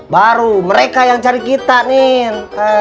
baru mereka yang cari kita nih